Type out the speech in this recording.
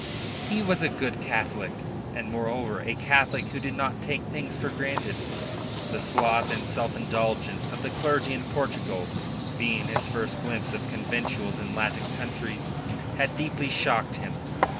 He was a good Catholic, and, moreover, a Catholic who did not take things for granted. The sloth and self indulgence of the clergy in Portugal, being his first glimpse of conventuals in Latin countries, had deeply shocked him.